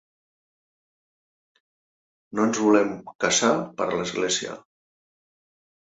No ens volem casar per l'església.